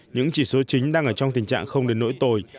những chỉ số chính đang ở trong tình trạng không đến nỗi tồi